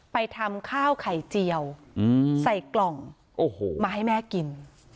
ไปทำข้าวไข่เจียวใส่กล่องโอ้โหมาให้แม่กิน